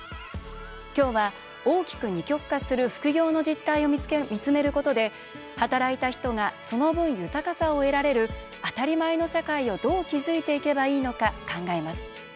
今日は、大きく二極化する副業の実態を見つめることで働いた人が、その分、豊かさを得られる当たり前の社会をどう築いていけばいいのか考えます。